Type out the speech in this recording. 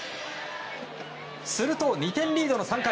すると２点リードの３回。